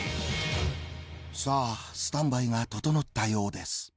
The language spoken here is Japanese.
さあスタンバイが整ったようです。